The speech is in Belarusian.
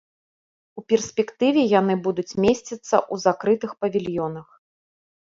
У перспектыве яны будуць месціцца ў закрытых павільёнах.